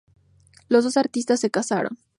Los dos artistas se casaron.